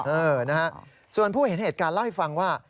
เออนะฮะส่วนผู้เห็นเหตุการณ์เล่าให้ฟังว่า